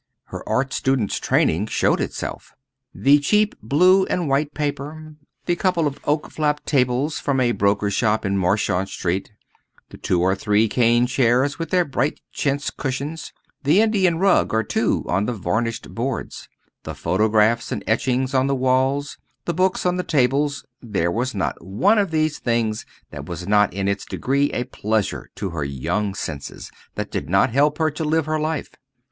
Her art student's training showed itself. The cheap blue and white paper, the couple of oak flap tables from a broker's shop in Marchmont Street, the two or three cane chairs with their bright chintz cushions, the Indian rug or two on the varnished boards, the photographs and etchings on the walls, the books on the tables there was not one of these things that was not in its degree a pleasure to her young senses, that did not help her to live her life.